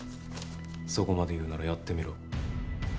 そこまで言うんならやってみろ。